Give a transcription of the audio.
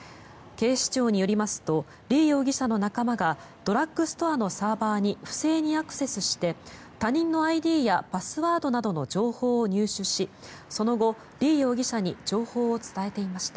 警視庁によりますとリ容疑者の仲間がドラッグストアのサーバーに不正にアクセスして他人のＩＤやパスワードなどの情報を入手しその後、リ容疑者に情報を伝えていました。